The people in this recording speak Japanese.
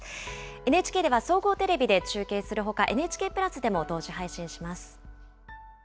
ＮＨＫでは総合テレビで中継するほか、ＮＨＫプラスでも同時配信します。